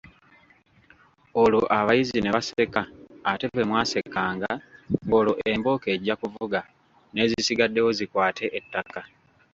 Olwo abayizi ne baseka ate bwe mwasekanga ng'olwo embooko ejja kuvuga n'ezisigaddewo zikwate ettaka.